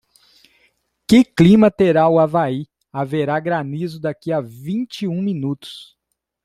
Que clima terá o Havai Haverá granizo daqui a vinte e um minutos